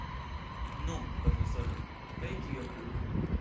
Nu, profesoro, kaj kio plu?